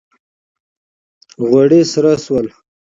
غوړي سره سول